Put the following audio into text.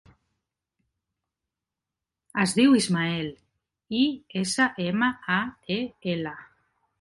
Es diu Ismael: i, essa, ema, a, e, ela.